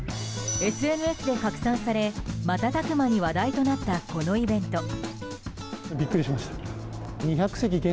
ＳＮＳで拡散され瞬く間に話題となったこのイベント。